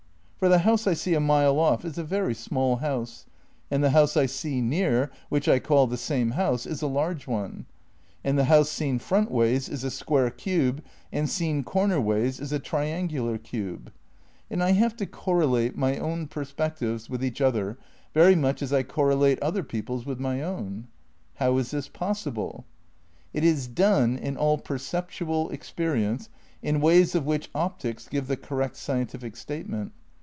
For the house I see a mile off is a very small house, and the house I see near, which I call "the same house," is a large one. And the house seen frontways is a square cube and seen cornerways is a triangular cube ; and I have to correlate my own per VII RECONSTRUCTION OF IDEALISM 255 spectives with, each other very much as I correlate other people's with my own. How is this possible? It is done in all perceptual experience in ways of which optics give the correct scientific statement.